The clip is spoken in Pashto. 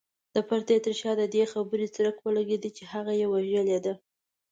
د پردې تر شا د دې خبرې څرک ولګېد چې هغه يې وژلې ده.